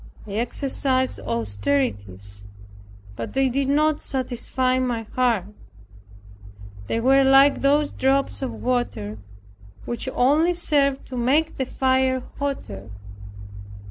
I exercised austerities, but they did not satisfy my heart. They were like those drops of water which only serve to make the fire hotter.